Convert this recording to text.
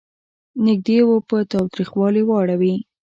نېږدې و په تاوتریخوالي واوړي.